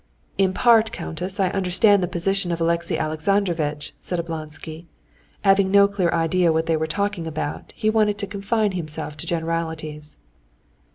"In part, countess, I understand the position of Alexey Alexandrovitch...." said Oblonsky. Having no clear idea what they were talking about, he wanted to confine himself to generalities.